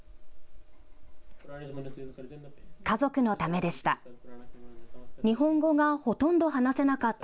家族のためでした。